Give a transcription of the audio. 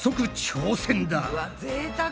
うわっぜいたく！